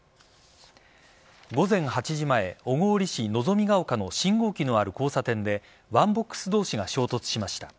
午前８時前小郡市希みが丘の信号機のある交差点でワンボックス同士が衝突しました。